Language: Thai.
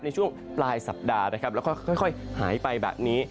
ในช่วงปลายสัปดาห์นะครับแล้วก็ค่อยหายไปแบบนี้